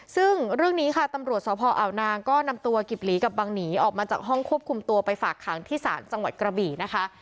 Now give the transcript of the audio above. ซึ่งเรื่องนี้ค่ะตำรวจสพออาวนางก็นำตัวกิบหลีกับบังหนีออกมาจากห้องควบคุมตัวไปฝากขังที่ศาลจังหวัดกระบี่นะคะ